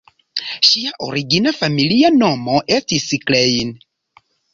Ŝia origina familia nomo estis "Klein".